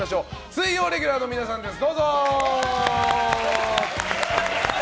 水曜レギュラーの皆さんです。